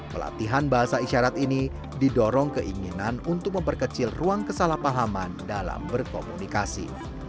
pelatihan bahasa isyarat ini didorong keinginan untuk memperkecil ruang kesalahpahaman dalam berkomunikasi